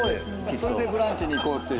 それでブランチに行こうっていう。